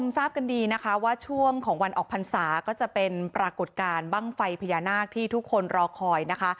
ทราบกันดีนะคะว่าช่วงของวันออกพรรษาก็จะเป็นปรากฏการณ์บ้างไฟพญานาคที่ทุกคนรอคอยนะคะ